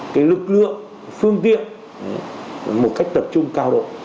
cái lực lượng phương tiện một cách tập trung cao độ